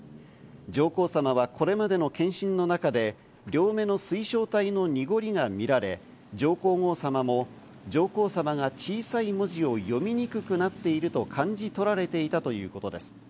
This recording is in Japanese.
上皇さまはこれまでの検診の中で両目が水晶体の濁りが見られ、上皇后さまも上皇さまが小さい文字を読みにくくなっていると感じ取られていたということです。